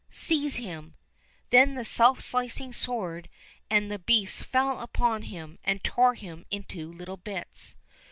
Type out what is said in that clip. Seize him !" Then the self slicing sword and the beasts fell upon him, and tore him into little bits.